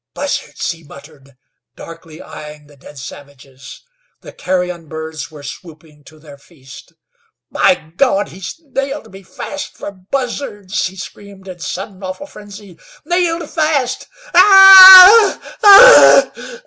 "Buzzards," he muttered, darkly eyeing the dead savages. The carrion birds were swooping to their feast. "By God! He's nailed me fast for buzzards!" he screamed in sudden, awful frenzy. "Nailed fast! Ah h! Ah h!